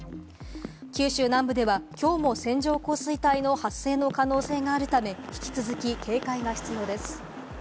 九州南部ではきょうも線状降水帯の発生の可能性があるため、引き続き警戒が必要です。